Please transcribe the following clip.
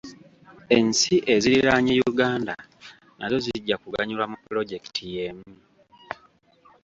Ensi eziriraanye Uganda nazo zijja kuganyulwa mu pulojekiti y'emu.